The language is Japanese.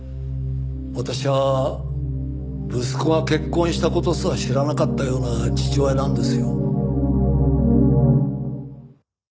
私は息子が結婚した事すら知らなかったような父親なんですよ。